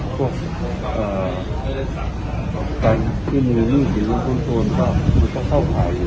พวกการที่มืดอยู่คนส่วนก็มันจะเข้าขายอยู่